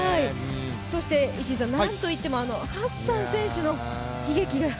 そしてなんといってもハッサン選手の悲劇が。